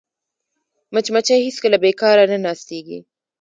مچمچۍ هېڅکله بیکاره نه ناستېږي